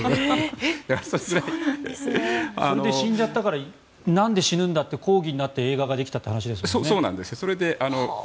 それで死んじゃったからなんで死ぬんだって抗議になって映画ができたという話ですもんね。